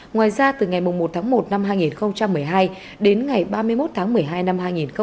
ngoài ra từ ngày một tháng một năm hai nghìn một mươi hai đến ngày ba mươi một tháng một mươi hai năm hai nghìn một mươi tám